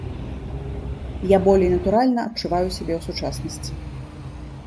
Я болей натуральна адчуваю сябе ў сучаснасці.